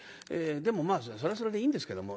でもまあそれはそれでいいんですけども。